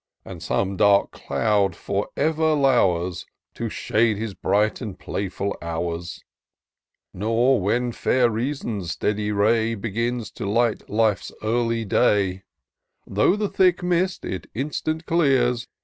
And some dark cloud for ever low'rs. To shade his bright and playful hours ! Nor, when fair Reason's steady ray Begins to light Life's early day, Though the thick mist it instant clears.